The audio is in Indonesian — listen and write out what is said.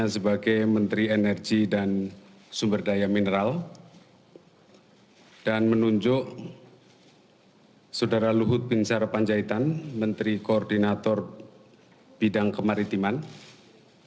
jadi ini efektif diberhentikan mulai besok pagi karena ditetapkan malam ini